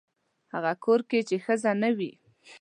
هغه کور کې چې ښځه نه وي.